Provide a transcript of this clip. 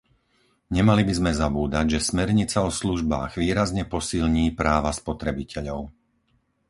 Nemali by sme zabúdať, že smernica o službách výrazne posilní práva spotrebiteľov.